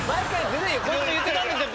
こいつも言ってたんですよ